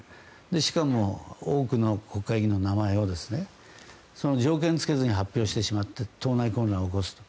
しかも、多くの国会議員の名前を条件を付けずに発表してしまった党内混乱を起こすと。